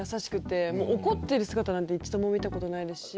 怒ってる姿なんて一度も見たことないですし。